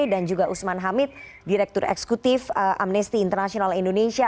dan juga usman hamid direktur eksekutif amnesty international indonesia